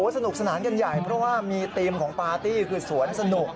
สนุกสนานกันใหญ่เพราะว่ามีธีมของปาร์ตี้คือสวนสนุก